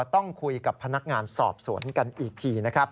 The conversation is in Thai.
ต้องคุยกับพนักงานสอบสวนกันอีกทีนะครับ